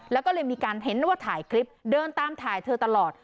แล้วก็เลยมีการเห็นว่าถ่ายคลิปเดินตามถ่ายเธอตลอด